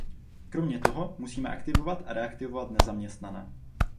Kromě toho musíme aktivovat a reaktivovat nezaměstnané.